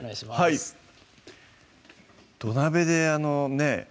はい土鍋であのね